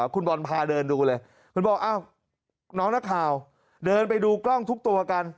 คุณบอลพาเดินดูเลยมันบอกอ้าวน้องนักข่าวเดินไปดูกล้องทุกตัวกัน